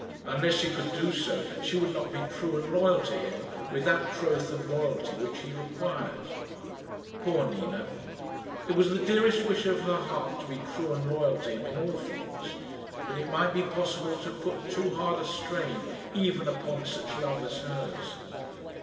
Unless she could do so she would not be true and loyal to him with that troth and loyalty which he required. Poor Nina! It was the dearest wish of her heart to be true and loyal to him in all things; but it might be possible to put too hard a strain even upon such love as hers.